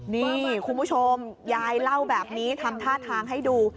นี่คุณผู้ชมยายเล่าแบบนี้ทำท่าทางให้ดู